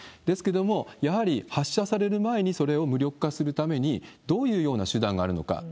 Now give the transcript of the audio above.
ですけれども、やはり発射される前にそれを無力化するために、どういうような手段があるのか。